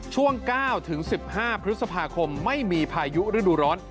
ช่วง๙๑๕พฤษภาคมไม่มีพายุฤดูร้อน